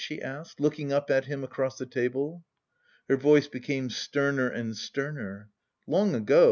she asked, looking up at him across the table. Her voice became sterner and sterner. "Long ago....